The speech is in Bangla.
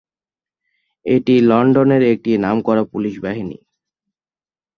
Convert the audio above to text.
এটি লন্ডনের একটি নামকরা পুলিশ বাহিনী।